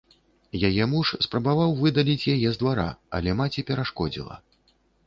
Яе муж спрабаваў выдаліць яе з двара, але маці перашкодзіла.